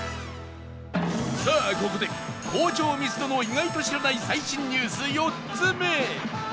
さあここで好調ミスドの意外と知らない最新ニュース４つ目